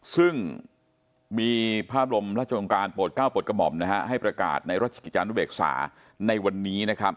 ซึ่งมีภาพรมราชกรรมการโปรด๙โปรดกระหม่อมให้ประกาศในราชกิจจานุเวกษาในวันนี้